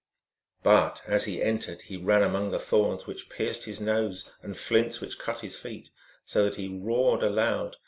But, as he entered, he ran among the Thorns, which pierced his nose, and Flints, which cut his feet, so that he roared aloud.